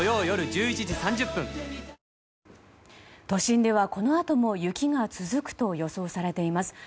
都心ではこのあとも雪が続くと予想されています。